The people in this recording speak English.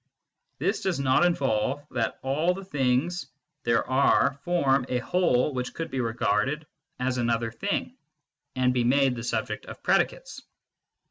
This does not involve that all the things there are form a whole which could be regarded as another thing and be made SCIENTIFIC METHOD IN PHILOSOPHY in the subject of predicates.